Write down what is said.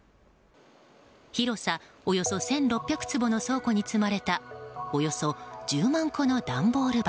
広さおよそ１６００坪の倉庫に積まれたおよそ１０万個の段ボール箱。